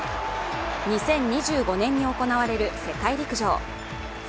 ２０２５年に行われる世界陸上。